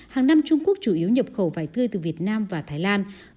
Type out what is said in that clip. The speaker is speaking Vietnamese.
hàng năm trung quốc chủ yếu nhập khẩu vải tươi từ việt nam và thái lan